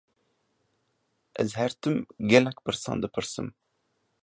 Ez her tim gelek pirsan dipirsim.